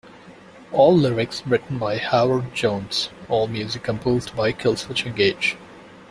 All lyrics written by Howard Jones, all music composed by Killswitch Engage.